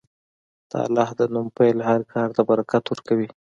د الله د نوم پیل هر کار ته برکت ورکوي.